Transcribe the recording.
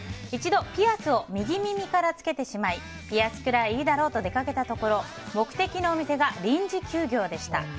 一度、ピアスを右耳から着けてしまいピアスくらいいいだろうと出かけたところ目的のお店が臨時休業でした。